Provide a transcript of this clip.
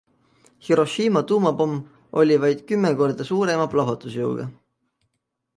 Hiroshima tuumapomm oli vaid kümme korda suurema plahvatusjõuga.